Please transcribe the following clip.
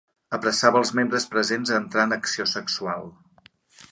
Apressava els membres presents a entrar en acció sexual.